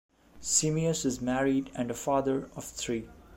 Simeus is married and a father of three.